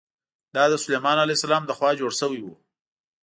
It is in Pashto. دا د سلیمان علیه السلام له خوا جوړ شوی و.